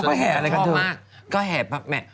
เมื่อกี้ก็ต้องร้องค่อนกับจ้า